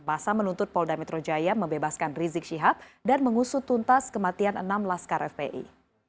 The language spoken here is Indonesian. masa menuntut polda metro jaya membebaskan rizik syihab dan mengusut tuntas kematian enam laskar fpi